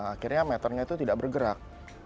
akhirnya meternya itu tidak bergerak